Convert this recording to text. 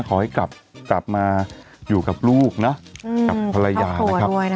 ขอให้กลับกลับมาอยู่กับลูกนะอืมกับภรรยานะครับครับหัวด้วยนะ